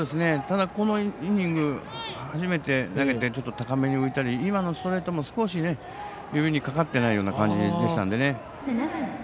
ただ、このイニング初めて投げて、ちょっと高めに浮いたり今のストレートも少し指にかかってないような感じでしたのでね。